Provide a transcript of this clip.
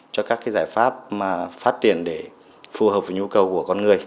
cho các giải pháp mà phát triển để phù hợp với nhu cầu của con người